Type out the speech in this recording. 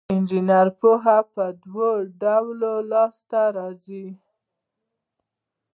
د انجینر پوهه په دوه ډوله لاس ته راځي.